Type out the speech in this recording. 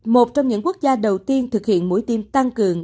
một trong những quốc gia đầu tiên thực hiện mũi tiêm tăng cường